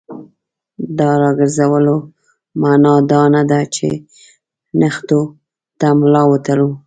د راګرځولو معنا دا نه ده چې نښتو ته ملا وتړو.